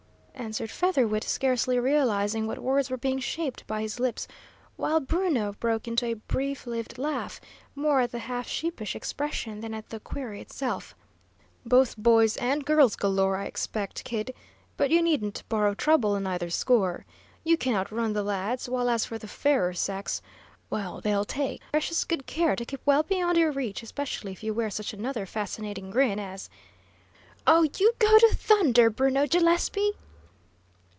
answered Featherwit, scarcely realising what words were being shaped by his lips, while Bruno broke into a brief lived laugh, more at that half sheepish expression than at the query itself. "Both boys and girls galore, I expect, Kid; but you needn't borrow trouble on either score. You can outrun the lads, while as for the fairer sex, well, they'll take precious good care to keep well beyond your reach, especially if you wear such another fascinating grin as " "Oh, you go to thunder, Bruno Gillespie!"